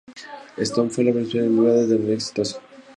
Stone fue la primera empresa privada de tecnología exitosa.